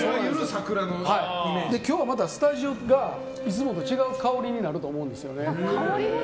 今日はスタジオがいつもと違う香りになると思うんですよね。